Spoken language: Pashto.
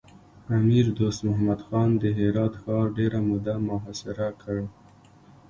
امیر دوست محمد خان د هرات ښار ډېره موده محاصره کړ.